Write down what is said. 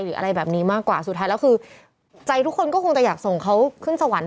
หรืออะไรแบบนี้มากกว่าสุดท้ายแล้วคือใจทุกคนก็คงจะอยากส่งเขาขึ้นสวรรค์